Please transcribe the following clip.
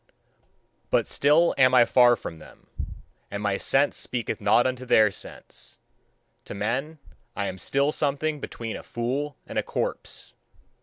But still am I far from them, and my sense speaketh not unto their sense. To men I am still something between a fool and a corpse.